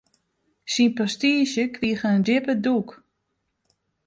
Syn prestiizje krige in djippe dûk.